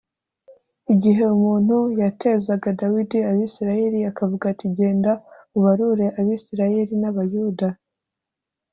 igihe umuntu yatezaga dawidi abisirayeli akavuga ati “genda ubarure abisirayeli n’abayuda”